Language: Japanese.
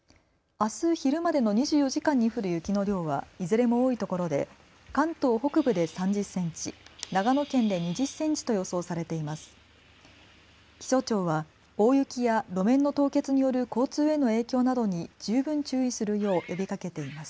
あす昼までの２４時間に降る雪の量はいずれも多いところで関東北部で３０センチ、長野県で２０センチと予想されています。